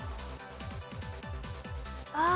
ああ！